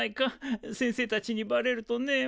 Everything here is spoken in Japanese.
先生たちにバレるとねえ